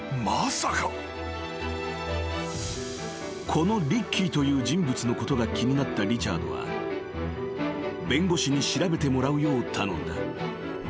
［このリッキーという人物のことが気になったリチャードは弁護士に調べてもらうよう頼んだ］